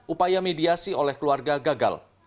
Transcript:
upaya mediasi oleh keluarga gagal